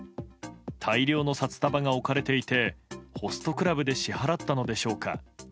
大量の札束が置かれていて、ホストクラブで支払ったのでしょうか。